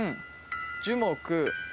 樹木。